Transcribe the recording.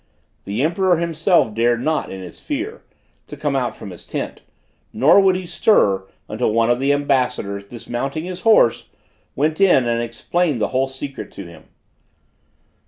The emperor himself dared not, in his fear, come out from his tent, nor would he stir, until one of the ambassadors, dismounting his horse, went in and explained the whole secret to him.